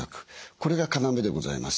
これが要でございます。